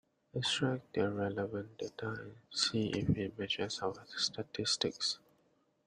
Extract the relevant data and see if it matches our statistics.